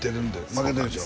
負けてるんでしょ？